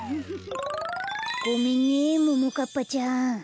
ごめんねももかっぱちゃん。